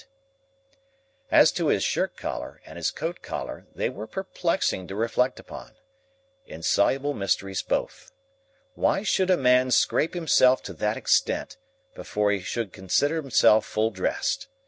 As to his shirt collar, and his coat collar, they were perplexing to reflect upon,—insoluble mysteries both. Why should a man scrape himself to that extent, before he could consider himself full dressed?